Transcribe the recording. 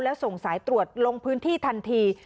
แล้วส่งสายตรวจลงพื้นที่ทันที